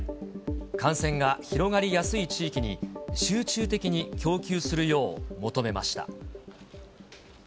感染が広がりやすい地域に、集中的に供給するよう求めました。